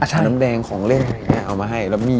เอาน้ำแดงของเล่น